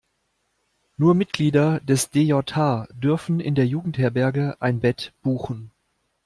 Nur Mitglieder des DJH dürfen in der Jugendherberge ein Bett buchen.